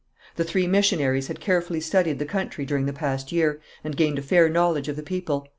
The three missionaries had carefully studied the country during the past year, and gained a fair knowledge of the people.